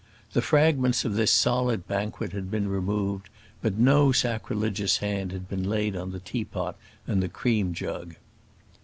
The fragments of the solid banquet had been removed, but no sacrilegious hand had been laid on the teapot and the cream jug.